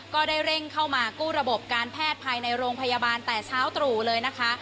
ก็ได้เร่งเข้ามากู้ระบบการแพทย์ภายในโรงพยาบาลแต่เช้าตรู่เลยนะคะ